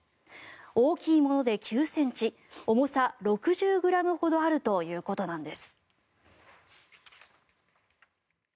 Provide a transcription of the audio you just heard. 大きいもので９ｃｍ重さ６０ｇほどあるということです。